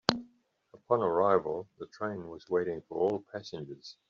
Upon arrival, the train was waiting for all passengers.